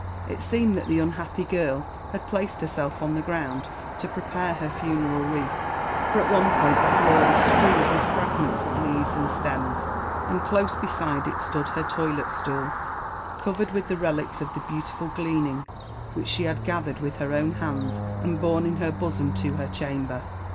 It seemed that the unhappy girl had placed herself on the ground to prepare her funeral wreath ; for at one point the floor was strewed with fragments of leaves and stems, and close beside it stood her toilet stool, covered with the relics of the beautiful gleaning which she had gathered with her own hands and borne in her bosom to her chamber, JONATHAN JEFFERSON WHITLAW.